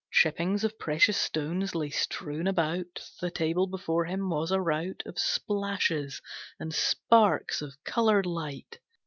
Chippings Of precious stones lay strewn about. The table before him was a rout Of splashes and sparks of coloured light.